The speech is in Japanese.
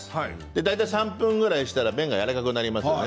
大体３分ぐらいしたら麺がやわらかくなりますね。